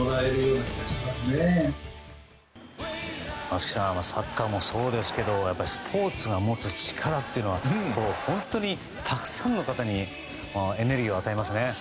松木さんサッカーもそうですけどスポーツが持つ力というのは本当に、たくさんの方にエネルギーを与えますね。